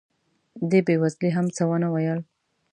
دې بې وزلې هم څه ونه ویل.